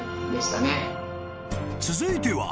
［続いては］